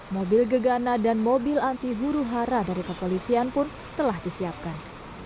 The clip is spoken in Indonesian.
mobil gegana dan mobil anti guruhara dari pak kolisian pun telah disiapkan